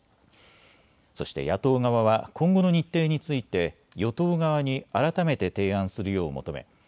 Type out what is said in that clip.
そして野党側は今後の日程について与党側に改めて提案するよう求め